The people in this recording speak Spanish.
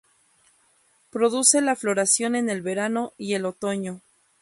Produce la floración en el verano y el otoño.